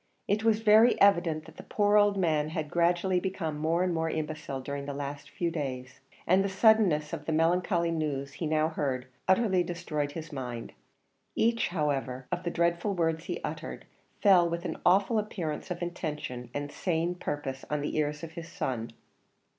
It was very evident that the poor old man had gradually become more and more imbecile during the last few days, and the suddenness of the melancholy news he now heard utterly destroyed his mind. Each, however, of the dreadful words he uttered fell with an awful appearance of intention and sane purpose on the ears of his son.